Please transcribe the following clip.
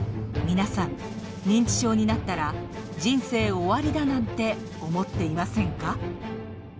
皆さん認知症になったら人生終わりだなんて思っていませんか？